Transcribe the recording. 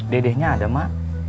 dedehnya ada mak